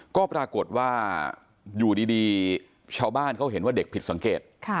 ก็ปรากฏว่าอยู่ดีชาวบ้านเขาเห็นว่าเด็กผิดสังเกต